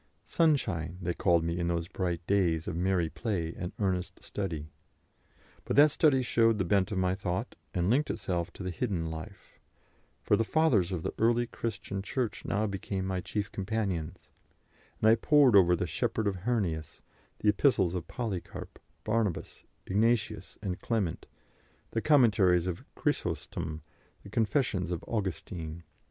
"Sunshine" they called me in those bright days of merry play and earnest study. But that study showed the bent of my thought and linked itself to the hidden life; for the Fathers of the early Christian Church now became my chief companions, and I pored over the Shepherd of Hernias, the Epistles of Polycarp, Barnabas, Ignatius, and Clement, the commentaries of Chrysostom, the confessions of Augustine.